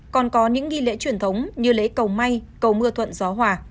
còn có những nghi lễ truyền thống như lễ cầu may cầu mưa thuận gió hòa